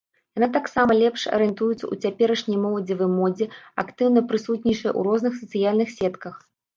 Яна таксама лепш арыентуецца ў цяперашняй моладзевай модзе, актыўна прысутнічае ў розных сацыяльных сетках.